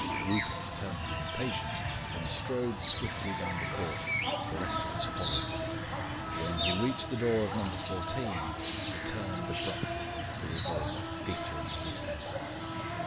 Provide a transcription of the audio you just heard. Rupert turned with impatience and strode swiftly down the court, the rest of us following. When he reached the door of No. 14 he turned abruptly, the revolver glittering in his hand.